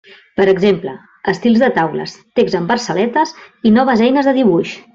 Per exemple, estils de taules, text en versaletes i noves eines de dibuix.